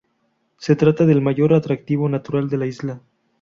Se trata del mayor atractivo natural de la isla.